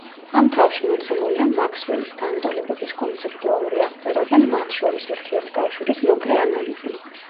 ამ თავში მოცემულია მაქსველის განტოლებების კონცეპტუალური აღწერა და მათ შორის ურთიერთკავშირის მოკლე ანალიზი.